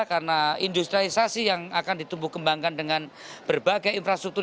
karena industriisasi yang akan ditumbuh kembangkan dengan berbagai infrastruktur